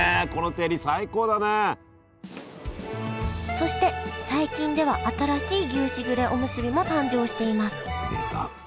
そして最近では新しい牛しぐれおむすびも誕生しています出た。